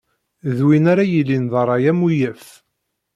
D win ara yilin d ṛṛay amuyaf.